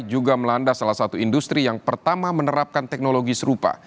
juga melanda salah satu industri yang pertama menerapkan teknologi serupa